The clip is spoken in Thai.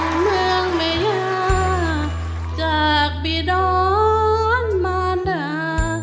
ทางเมืองไม่ลาจากปีด้อนมารดา